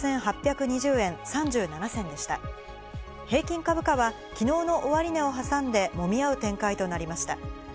平均株価は昨日の終値を挟んでもみ合う展開となりました。